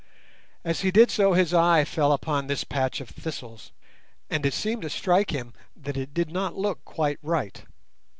As he did so his eye fell upon this patch of thistles, and it seemed to strike him that it did not look quite right.